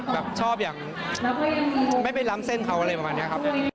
แบบชอบอย่างไม่ไปล้ำเส้นเขาอะไรประมาณนี้ครับ